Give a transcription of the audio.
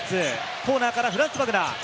コーナーからフランツ・バグナー。